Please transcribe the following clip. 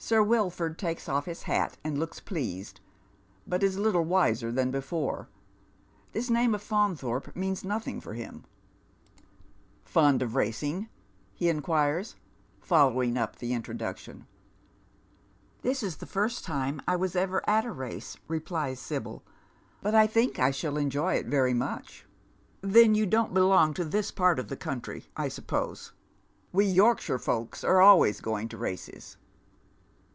Sir V\ ilf ord takes off his hat and looks pleased, but is little w;.<or than before. This name of Faunthorpe means liothizgLa LillL 96 Dead Men's Sho^. " Fond of racing ?" he inquires, following up the introduc tion. " This is the first time I was ever at a race," replies Sibyl. " But I tliink I sliall enjoy it very much." "Then you don't belong to this part of the country, I suppose? We Yorkshire folks are always going to races."